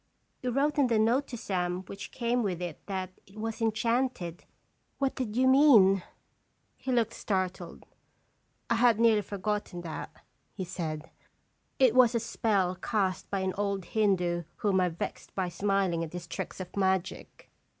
" You wrote in the note to Sam which came with it that it was enchanted. What did you mean?" He looked startled. " I had nearly forgot ten that," he said. " It was a spell cast by an old Hindoo whom I vexed by smiling at his tricks of magic."